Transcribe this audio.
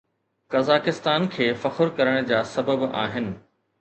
قزاقستان کي فخر ڪرڻ جا سبب آهن